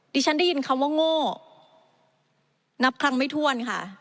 ดิฉันได้ยินคำว่าโง่นับครั้งไม่ถ้วนค่ะ